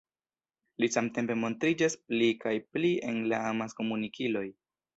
Li samtempe montriĝas pli kaj pli en la amaskomunikiloj.